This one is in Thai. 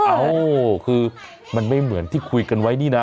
เอ้าคือมันไม่เหมือนที่คุยกันไว้นี่นะ